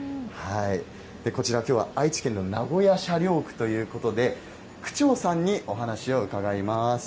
こちら、きょうは愛知県の名古屋車両区ということで、区長さんにお話を伺います。